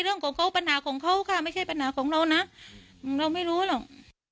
เรื่องของเขาปัญหาของเขาค่ะไม่ใช่ปัญหาของเรานะเราไม่รู้หรอก